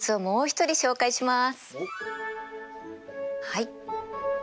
はい。